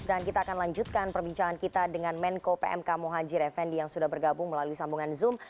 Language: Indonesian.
dan kita akan lanjutkan perbincangan kita dengan menko pmk mohajir effendi yang sudah bergabung melalui sambungan zoom